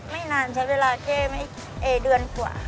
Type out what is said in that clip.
ไม่นานใช้เวลาแก้ไม่เดือนกว่า